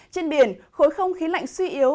trên biển khối không khí lạnh suy yếu